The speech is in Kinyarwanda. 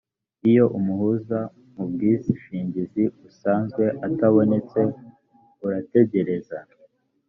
iyo umuhuza mu bwishingizi usanzwe atabonetse urategereza